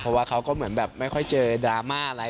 เพราะว่าเขาก็เหมือนแบบไม่ค่อยเจอดราม่าอะไร